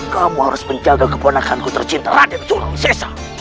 kamu harus menjaga kebenakanku tercinta raden tsunung sesa